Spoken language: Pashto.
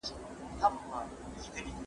تل دې وي د پښتو ادب مینه وال